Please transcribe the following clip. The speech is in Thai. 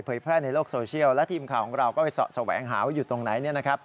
เผยแพร่ในโลกโซเชียลแล้วทีมข่าวของเราก็ไปสะแหวงหาว่าอยู่ตรงไหน